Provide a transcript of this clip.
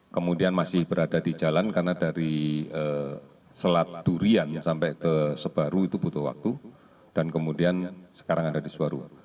kemudian masih berada di jalan karena dari selat durian sampai ke sebaru itu butuh waktu dan kemudian sekarang ada di sebaru